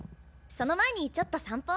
その前にちょっと散歩。